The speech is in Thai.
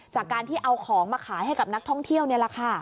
จากการที่เอาของมาขายให้กับนักท่องเที่ยวนี่แหละค่ะ